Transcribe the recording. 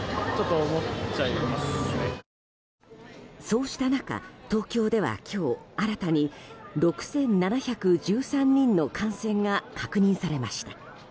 そうした中、東京では今日新たに６７１３人の感染が確認されました。